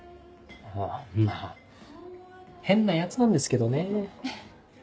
あぁまぁ変なヤツなんですけどね。